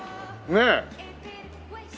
ねえ。